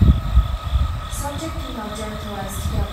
Subject and object arise together.